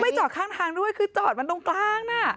จอดข้างทางด้วยคือจอดมันตรงกลางน่ะ